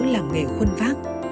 làng nghề khuôn vác